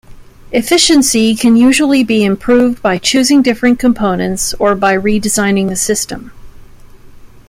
Efficiency can usually be improved by choosing different components or by redesigning the system.